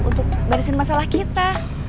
untuk barisin masalah kita